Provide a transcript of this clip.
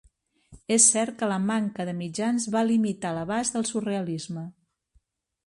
És cert que la manca de mitjans va limitar l'abast del surrealisme.